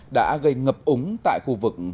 đã gây ngập ống tại khu vực huyện lông